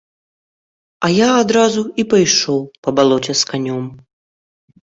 А я адразу і пайшоў па балоце з канём.